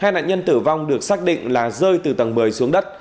hai nạn nhân tử vong được xác định là rơi từ tầng một mươi xuống đất